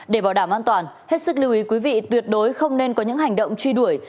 để bảo đảm an toàn hết sức lưu ý quý vị tuyệt đối không nên có những hành động truy đuổi